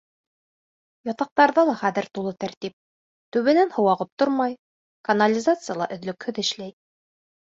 Ятаҡтарҙа ла хәҙер тулы тәртип: түбәнән һыу ағып тормай, канализация ла өҙлөкһөҙ эшләй.